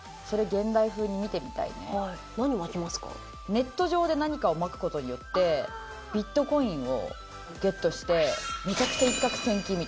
ネット上で何かをまく事によってビットコインをゲットしてめちゃくちゃ一攫千金みたいな。